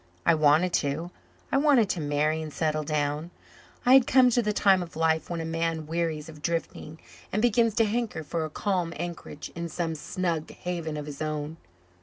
I wanted to; I wanted to marry and settle down. I had come to the time of life when a man wearies of drifting and begins to hanker for a calm anchorage in some snug haven of his own.